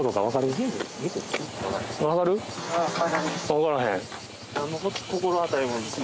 わからへん？